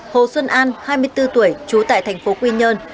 hồ xuân an hai mươi bốn tuổi trú tại thành phố quy nhơn